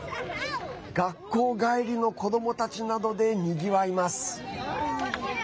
学校帰りの子どもたちなどでにぎわいます。